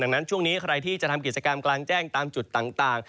ดังนั้นช่วงนี้ใครที่จะทำกิจกรรมกลางแจ้ง